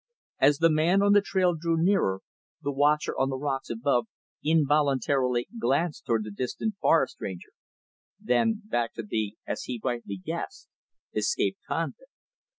As the man on the trail drew nearer, the watcher on the rocks above involuntarily glanced toward the distant Forest Ranger; then back to the as he rightly guessed escaped convict.